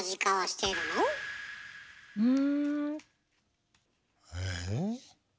うん。え？